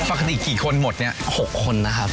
ปกติกี่คนหมดเนี่ย๖คนนะครับ